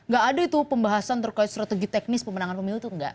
gak ada itu pembahasan terkait strategi teknis pemenangan pemilu itu enggak